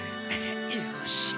よし。